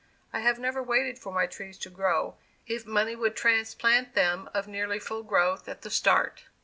I have never waited for my trees to grow, if money would transplant them of nearly full growth at the start.